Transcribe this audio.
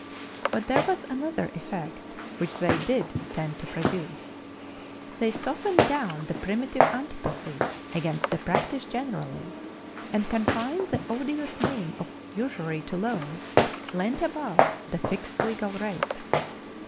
But there was another effect which they did tend to produce they softened down the primitive antipathy against the practice generally, and confined the odious name of usury to loans lent above the fixed legal rate.